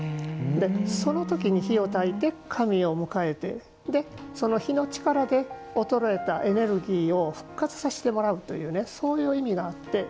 その時に火を焚いて神を迎えて、その火の力でエネルギーを、復活させてもらうという意味があって。